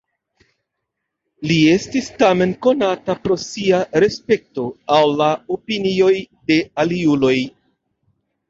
Li estis tamen konata pro sia respekto al la opinioj de aliuloj.